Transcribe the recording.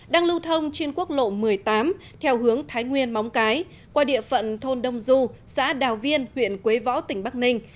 đang lưu thông trên quốc lộ một mươi tám theo hướng thái nguyên móng cái qua địa phận thôn đông du xã đào viên huyện quế võ tỉnh bắc ninh